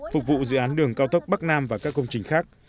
phục vụ dự án đường cao tốc bắc nam và các công trình khác